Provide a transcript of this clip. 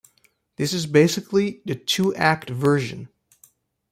This is basically the two-act version.